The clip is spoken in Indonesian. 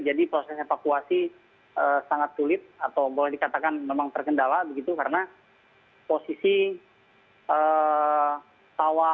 jadi proses evakuasi sangat sulit atau boleh dikatakan memang terkendala begitu karena posisi sawah